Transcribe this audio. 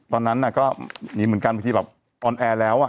ตอนนั้นน่ะก็มีเหมือนกันเมื่อกี้แบบออนแอร์แล้วอ่ะ